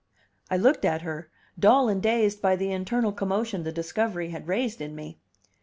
I looked at her, dull and dazed by the internal commotion the discovery had raised in me.